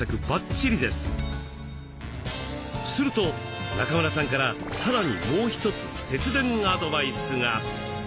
すると中村さんからさらにもう一つ節電アドバイスが。